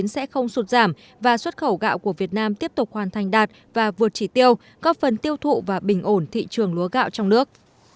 sẽ không sụt giảm và xuất khẩu gạo của việt nam tiếp tục hoàn thành đạt và vượt chỉ tiêu có phần tiêu thụ và bình ổn thị trường lúa gạo trong nước